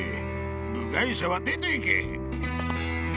部外者は出ていけ！